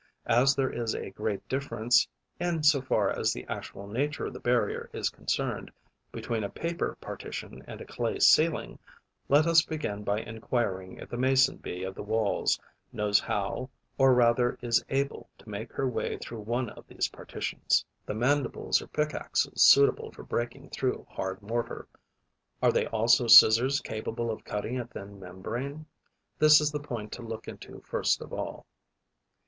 As there is a great difference, in so far as the actual nature of the barrier is concerned, between a paper partition and a clay ceiling, let us begin by enquiring if the Mason bee of the Walls knows how or rather is able to make her way through one of these partitions. The mandibles are pickaxes suitable for breaking through hard mortar: are they also scissors capable of cutting a thin membrane? This is the point to look into first of all.